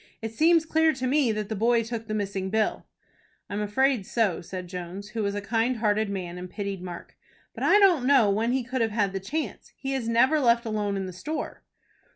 "It seems clear to me that the boy took the missing bill." "I am afraid so," said Jones, who was a kind hearted man, and pitied Mark. "But I don't know when he could have had the chance. He is never left alone in the store."